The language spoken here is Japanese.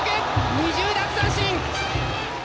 ２０奪三振！